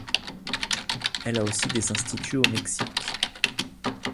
Elle a aussi des instituts au Mexique.